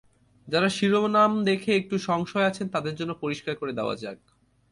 যারা শিরোনাম দেখে একটু সংশয়ে আছেন তাদের জন্য পরিষ্কার করে দেওয়া যাক।